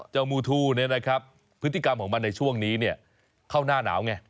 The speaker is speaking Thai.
มูทูเนี่ยนะครับพฤติกรรมของมันในช่วงนี้เนี่ยเข้าหน้าหนาวไง